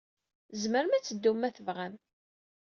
Tzemrem ad teddum, ma tebɣam.